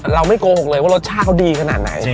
ไม่โกหกเลยว่ารสชาติเขาดีขนาดไหน